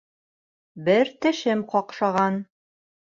Бер тешем ҡаҡшаған